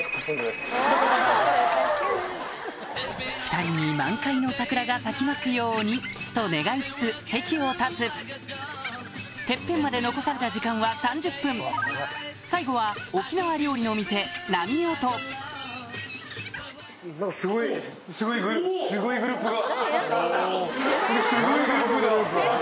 ２人に満開の桜が咲きますようにと願いつつ席を立つテッペンまで残された時間は３０分最後は沖縄料理の店すごいグループが。